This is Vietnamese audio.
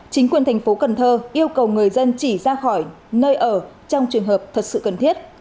chính quyền thành phố cần thơ yêu cầu người dân chỉ ra khỏi nơi ở trong trường hợp thật sự cần thiết